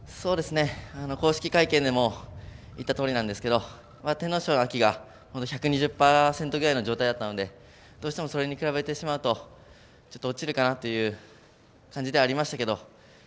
公式会見でも言ったとおりなんですけど天皇賞が１２０％ぐらいの状態だったのでどうしてもそれに比べてしまうと落ちるかなという感じではありましたけど